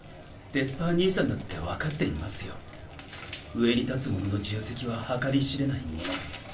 上に立つ者の重責は計り知れないもの。